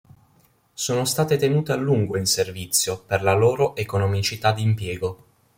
Sono state tenute a lungo in servizio per la loro economicità di impiego.